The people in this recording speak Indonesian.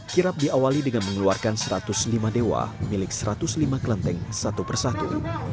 kirap diawali dengan mengeluarkan satu ratus lima dewa milik satu ratus lima kelenteng satu persatu